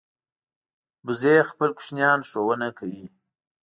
وزې خپل کوچنیان ښوونه کوي